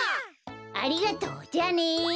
ありがとうじゃあね。